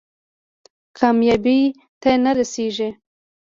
کامیابۍ ته نه رسېږي.